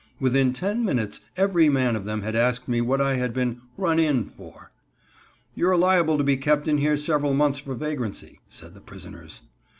Within ten minutes every man of them had asked me what I had been "run in" for. "You're liable to be kept in here several months for vagrancy," said the prisoners.